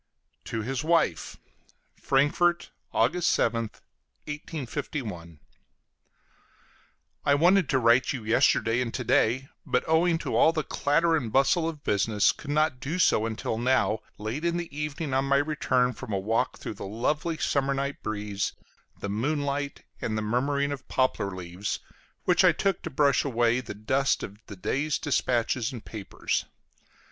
TO HIS WIFE FRANKFORT, August 7th, 1851. I wanted to write to you yesterday and to day, but, owing to all the clatter and bustle of business, could not do so until now, late in the evening on my return from a walk through the lovely summer night breeze, the moonlight, and the murmuring of poplar leaves, which I took to brush away the dust of the day's dispatches and papers.